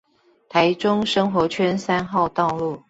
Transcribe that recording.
台中生活圈三號道路